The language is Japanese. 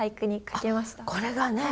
これがね